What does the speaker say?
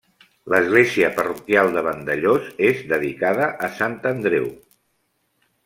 L'església parroquial de Vandellòs és dedicada a Sant Andreu.